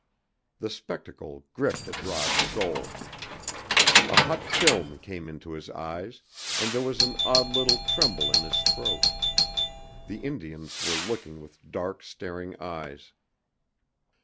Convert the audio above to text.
The spectacle gripped at Rod's soul. A hot film came into his eyes and there was an odd little tremble in his throat. The Indians were looking with dark, staring eyes.